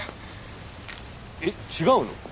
えっ違うの？